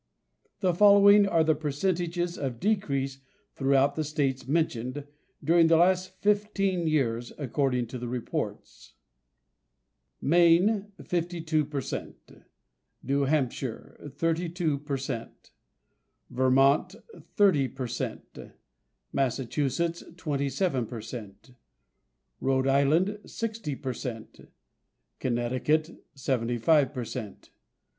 The following are the percentages of decrease throughout the states mentioned, during the last fifteen years, according to the reports: Maine 52 per cent. New Hampshire 32 per cent. Vermont 30 per cent. Massachusetts 27 per cent. Rhode Island 60 per cent. Connecticut 75 per cent.